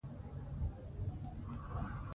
پسه د افغانستان د انرژۍ سکتور برخه ده.